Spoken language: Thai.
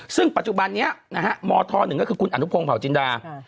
ซึ่งปัจจุบันนี้มธ๑คือคุณอนุพงศ์เผาจินดา